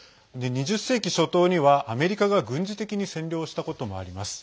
２０世紀初頭にはアメリカが軍事的に占領したこともあります。